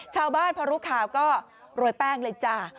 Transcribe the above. ชาวบ้านพอรู้ข่าวก็โรยแป้งเลยจ้ะ